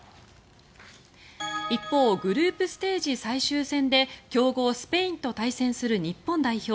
一方、グループステージ最終戦で強豪スペインと対戦する日本代表。